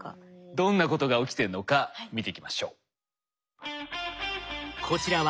どんなことが起きてるのか見ていきましょう。